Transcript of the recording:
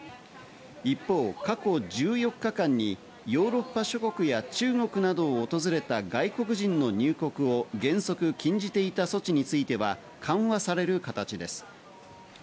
一方、過去１４日間にヨーロッパ諸国や中国などを訪れた外国人の入国を原則禁じていた措置については緩和される形です。